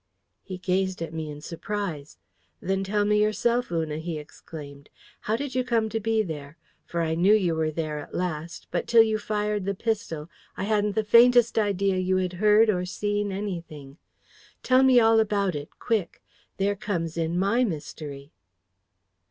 He gazed at me in surprise. "Then tell me yourself, Una!" he exclaimed. "How did you come to be there? For I knew you were there at last; but till you fired the pistol, I hadn't the faintest idea you had heard or seen anything. Tell me all about it, quick! There comes in MY mystery."